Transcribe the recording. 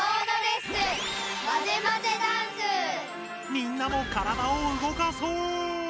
みんなも体を動かそう！